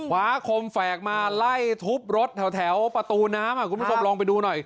คมแฝกมาไล่ทุบรถแถวประตูน้ำคุณผู้ชมลองไปดูหน่อย